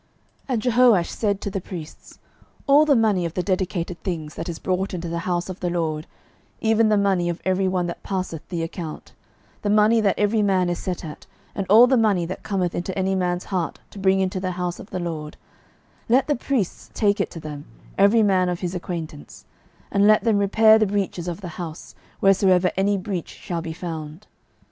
12:012:004 And Jehoash said to the priests, All the money of the dedicated things that is brought into the house of the LORD, even the money of every one that passeth the account, the money that every man is set at, and all the money that cometh into any man's heart to bring into the house of the LORD, 12:012:005 Let the priests take it to them, every man of his acquaintance: and let them repair the breaches of the house, wheresoever any breach shall be found.